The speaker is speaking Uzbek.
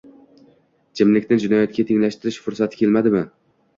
Jimlikni jinoyatga tenglashtirish fursati kelmadimi?